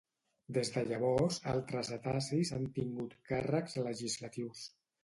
Des de llavors, altres atassis han tingut càrrecs legislatius.